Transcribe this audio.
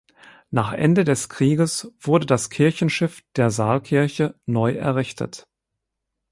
Nach Ende des Krieges wurde das Kirchenschiff der Saalkirche neu errichtet.